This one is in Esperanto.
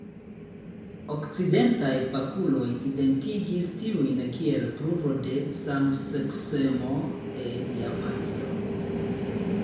Okcidentaj fakuloj identigis tiujn kiel pruvo de samseksemo en Japanio.